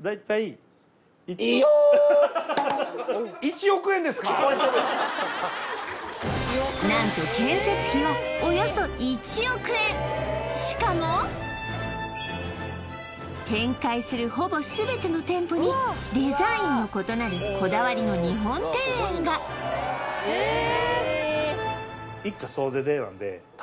大体１億よーっ聞こえてる何と建設費はおよそ１億円しかも展開するほぼ全ての店舗にデザインの異なるこだわりの日本庭園がえっ！？